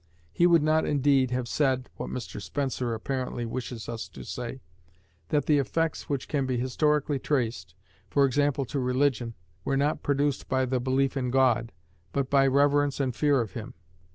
He would not indeed have said (what Mr Spencer apparently wishes us to say) that the effects which can be historically traced, for example to religion, were not produced by the belief in God, but by reverence and fear of him.